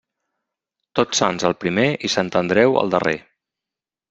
Tots Sants el primer i Sant Andreu el darrer.